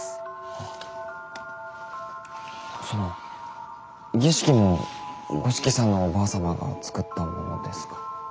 あその儀式も五色さんのおばあさまが作ったものですか？